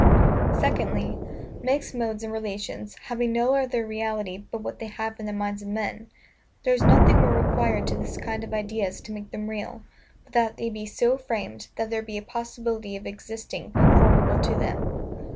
Secondly, MIXED MODES and RELATIONS, having no other reality but what they have in the minds of men, there is nothing more required to this kind of ideas to make them real, but that they be so framed, that there be a possibility of existing conformable to them.